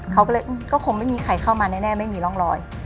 เขาก็เลยก็คงไม่มีใครเข้ามาแน่ไม่มีร่องรอย